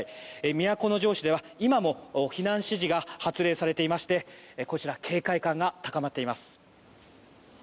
都城市では今も避難指示が発令されていまして警戒感が高まっています。